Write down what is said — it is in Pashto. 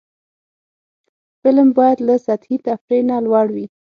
فلم باید له سطحي تفریح نه لوړ وي